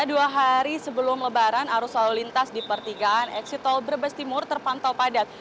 dua hari sebelum lebaran arus lalu lintas di pertigaan eksitol brebes timur terpantau padat